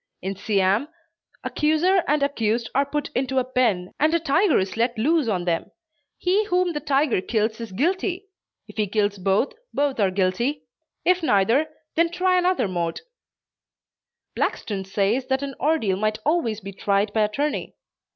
In Siam, accuser and accused are put into a pen and a tiger is let loose on them. He whom the tiger kills is guilty. If he kills both, both are guilty; if neither, they try another mode. Blackstone says that an ordeal might always be tried by attorney.